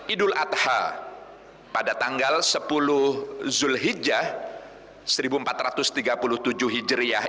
idul adha pada tanggal sepuluh zulhijjah seribu empat ratus tiga puluh tujuh hijriah